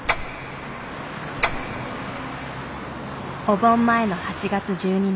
お盆前の８月１２日。